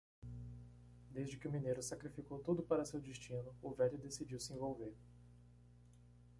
Desde que o mineiro sacrificou tudo para seu destino, o velho decidiu se envolver.